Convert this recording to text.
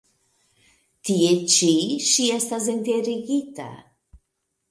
Tie ĉi ŝi estas enterigita.